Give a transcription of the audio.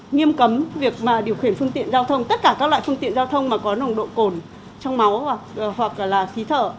nghiêm cấm việc điều khiển phương tiện giao thông tất cả các loại phương tiện giao thông mà có nồng độ cồn trong máu hoặc là khí thở